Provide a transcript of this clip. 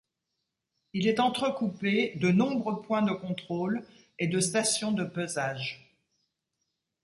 Il est entrecoupé de nombreux points de contrôle et de stations de pesage.